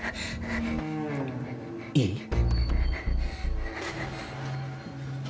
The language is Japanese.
いい？